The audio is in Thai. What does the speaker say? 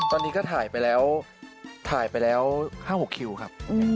ตอนนี้ก็ถ่ายไปแล้วถ่ายไปแล้ว๕๖คิวครับ